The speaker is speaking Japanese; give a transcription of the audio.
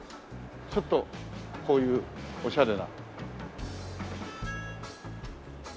ちょっとこういうオシャレな。